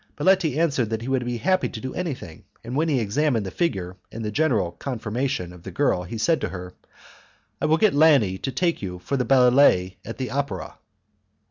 Baletti answered that he would be happy to do anything, and when he had examined the figure and the general conformation of the young girl he said to her, "I will get Lani to take you for the ballet at the opera."